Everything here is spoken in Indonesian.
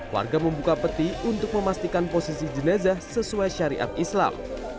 warga membuka peti untuk memastikan posisi jenazah sesuai syariat islam